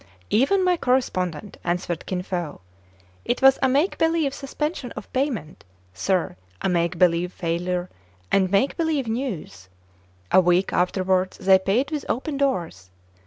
"Even my correspondent," answered Kin Fo. "It was a make believe suspension of payment, sir, a make believe failure, and make believe news. A week afterwards they paid with open doors.